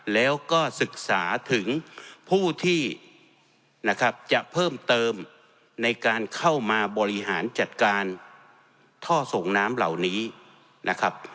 แล้วก็ศึกษาถึงผู้ที่นะครับจะเพิ่มเติมในการเข้ามาบริหารจัดการท่อส่งน้ำเหล่านี้นะครับ